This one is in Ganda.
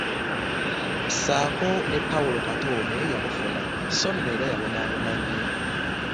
Ssaako ne Paulo Kato naye yamufuna, sso nno era yabonaabona nnyo.